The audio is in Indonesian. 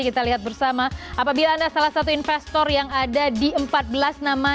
kita lihat bersama apabila anda salah satu investor yang ada di empat belas nama